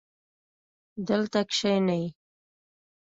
دلته کښېنئ